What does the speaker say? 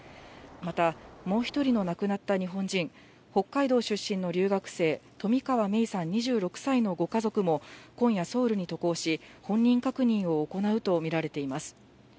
また、もう１人の亡くなった日本人、北海道出身の留学生、冨川芽生さん２６歳のご家族も今夜、ソウルに渡航し、本人確認を行うと見られています。